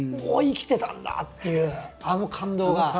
「おっ生きてたんだ！」っていうあの感動が。